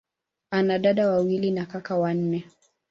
Ana dada wawili na kaka wanne.